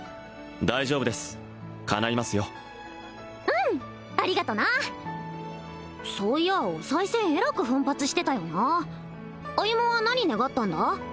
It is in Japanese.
大丈夫です叶いますようんありがとなそういやおさい銭えらく奮発してたよな歩は何願ったんだ？